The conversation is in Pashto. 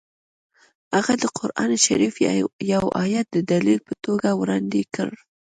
هغه د قران شریف یو ایت د دلیل په توګه وړاندې کړ